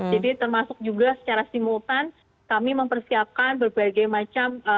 jadi termasuk juga secara simultan kami mempersiapkan berbagai macam kontraktor